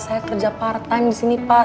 saya kerja part time disini pak